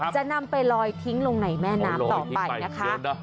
จะนำไปลอยทิ้งลงในแม่น้ำต่อไปนะคะ